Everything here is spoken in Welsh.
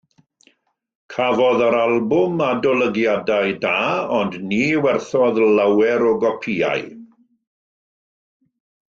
Cafodd yr albwm adolygiadau da ond ni werthodd lawer o gopïau.